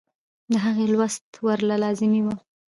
د هغې لوست ورله لازمي وۀ -